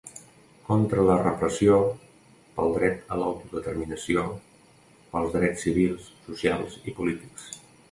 Contra la repressió, pel dret a l’autodeterminació, pels drets civils, socials i polítics.